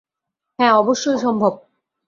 হ্যাঁ অবশ্যই সম্ভব।